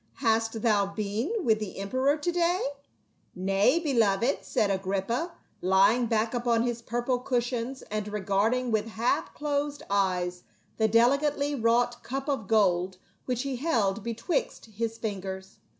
Hast thou been with the emperor to day ?"" Nay, beloved," said Agrippa, lying back upon his purple cushions, and regarding with half closed eyes the delicately wrought cup of gold which he held be twixt his fingers.